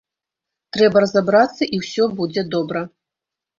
Трэба разабрацца, і ўсё будзе добра.